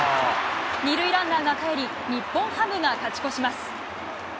２塁ランナーがかえり、日本ハムが勝ち越します。